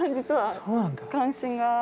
そうなんだ。